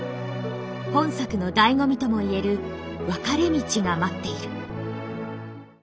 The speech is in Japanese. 本作のだいご味とも言える分かれ道が待っている。